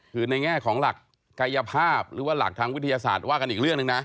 คือในแง่ของหลักกายภาพหรือว่าหลักทางวิทยาศาสตร์ว่ากันอีกเรื่องหนึ่งนะ